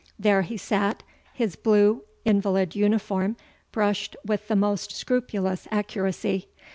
There he sat, his blue invalid uniform brushed with the most scrupulous accuracy.